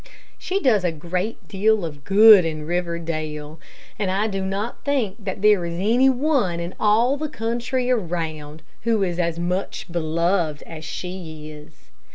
She does a great deal of good in Riverdale, and I do not think that there is any one in all the country around who is as much beloved as she is.